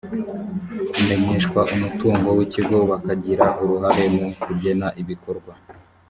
kumenyeshwa umutungo w ikigo bakagira uruhare mu kugena ibikorwa